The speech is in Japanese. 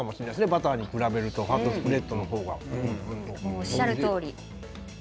バターに比べるとファットスプレッドの方が。